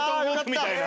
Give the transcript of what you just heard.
みたいな。